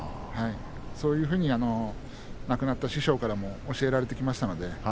そういうふうに亡くなった師匠からも教えられてきましたね。